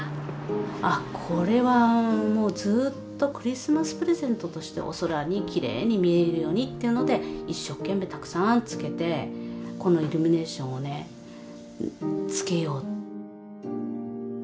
あこれはもうずっとクリスマスプレゼントとしてお空にきれいに見えるようにっていうので一生懸命たくさんつけてこのイルミネーションをねつけよう。